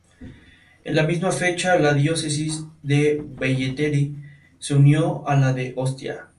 En la misma fecha, la diócesis de Velletri se unió a la de Ostia.